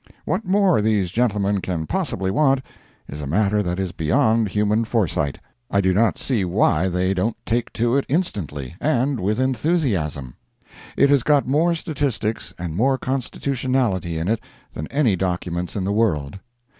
What more these gentlemen can possibly want, is a matter that is beyond human foresight. I do not see why they don't take to it instantly, and with enthusiasm. It has got more statistics and more constitutionality in it than any document in the world.